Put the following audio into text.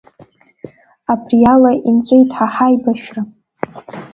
Абриала инҵәеит ҳа ҳаибашьра!